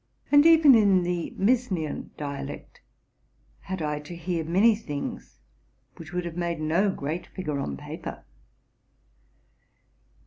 And even in the Misnian dialect had I to hear many things which would have made no great figure on paper.